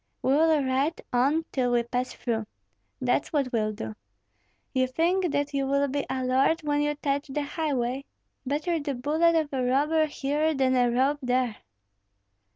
"We will ride on till we pass through, that's what we'll do! You think that you will be a lord when you touch the highway? Better the bullet of a robber here than a rope there."